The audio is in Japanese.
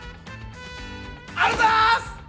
ありがとうございます！